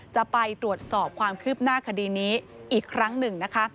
จะไปตรวจสอบความคืบหน้าคดีนี้อีกครั้งหนึ่งนะคะ